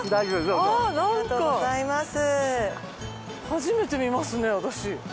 初めて見ますね私。